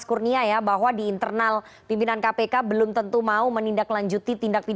kami tentu mendorong juga